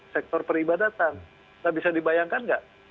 sektor peribadatan nah bisa dibayangkan nggak